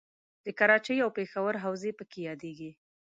د کراچۍ او پېښور حوزې پکې یادیږي.